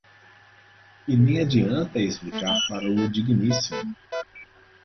E nem adianta explicar para o digníssimo.